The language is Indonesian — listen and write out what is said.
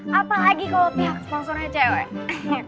apalagi kalau pihak sponsornya cewek